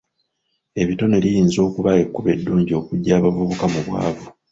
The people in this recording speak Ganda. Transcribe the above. Ebitone liyinza okuba ekkubo eddungi okuggya abavubuka mu bwavu.